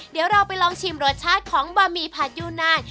เดี๋ยวเราไปลองชิมรสชาติของบะหมี่ผัดยูนาน